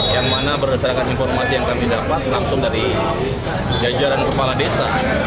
yang mana berdasarkan informasi yang kami dapat langsung dari jajaran kepala desa